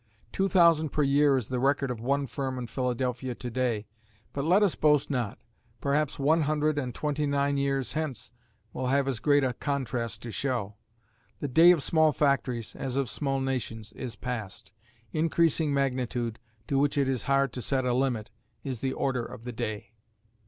Two thousand per year is the record of one firm in Philadelphia to day, but let us boast not. Perhaps one hundred and twenty nine years hence will have as great a contrast to show. The day of small factories, as of small nations, is past. Increasing magnitude, to which it is hard to set a limit, is the order of the day.